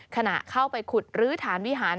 ขณะเข้าไปขุดรื้อฐานวิหาร